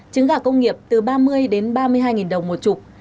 trứng gà công nghiệp từ ba mươi đến ba mươi hai đồng một chục